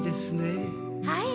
はい。